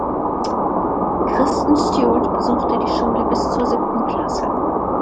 Kristen Stewart besuchte die Schule bis zur siebten Klasse.